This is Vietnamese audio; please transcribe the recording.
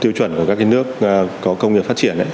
tiêu chuẩn của các cái nước có công nghiệp phát triển ấy